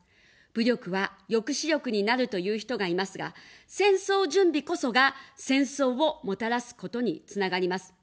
武力は抑止力になると言う人がいますが、戦争準備こそが、戦争をもたらすことにつながります。